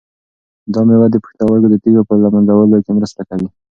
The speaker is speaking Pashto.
دا مېوه د پښتورګو د تیږو په له منځه وړلو کې مرسته کوي.